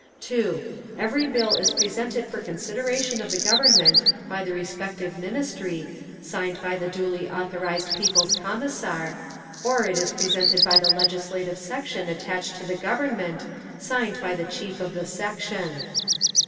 2. Every bill is presented for consideration of the Government by the respective Ministry, signed by the duly authorised People's Commissar; or it is presented by the legislative section attached to the Government, signed by the chief of the section.